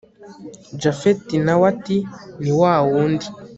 japhet nawe ati niwawundi